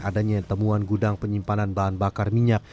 adanya temuan gudang penyimpanan bahan bakar minyak